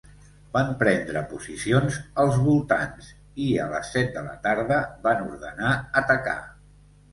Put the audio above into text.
Van prendre posicions als voltants i a les set de la tarda, van ordenar atacar.